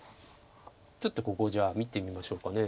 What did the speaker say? ちょっとここをじゃあ見てみましょうか。